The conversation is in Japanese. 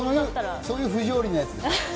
そういう不条理なやつ。